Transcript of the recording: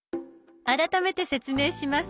改めて説明します。